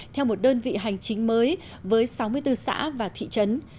theo một đơn vị hành chính mới với sáu mươi bốn xã và thị trấn